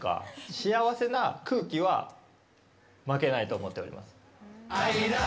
幸せな空気は負けないと思っております。